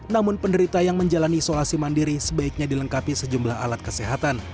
namun penderita yang menjalani isolasi mandiri sebaiknya dilengkapi sejumlah alat kesehatan